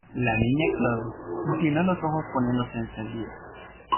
la Niña Chole inclinó los ojos poniéndose encendida: